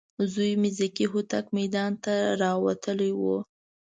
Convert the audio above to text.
زوی مې ذکي هوتک میدان ته راوتلی و.